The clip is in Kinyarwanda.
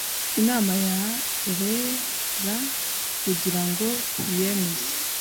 inama ya rlea kugira ngo iyemeze